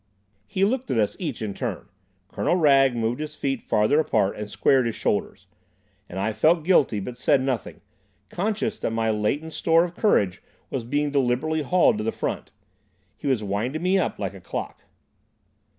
He looked at us each in turn. Colonel Wragge moved his feet farther apart, and squared his shoulders; and I felt guilty but said nothing, conscious that my latent store of courage was being deliberately hauled to the front. He was winding me up like a clock.